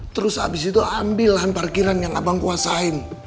terus habis itu ambil lahan parkiran yang abang kuasain